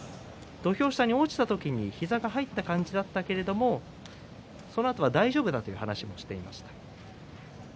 土俵下に落ちた時に膝が入った感じだったけれどもそのあとは大丈夫だという話をしていました。